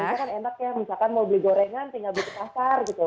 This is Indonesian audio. kalau di indonesia kan enak ya misalkan mau beli gorengan tinggal beli di pasar gitu